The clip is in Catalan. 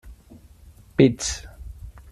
Pits.